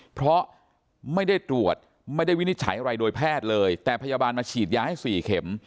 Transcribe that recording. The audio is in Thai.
เพราะไม่ได้ตรวจไม่ได้วินิจฉัยอะไรโดยแพทย์เลยแต่พยาบาลมาฉีดยาให้๔เข็ม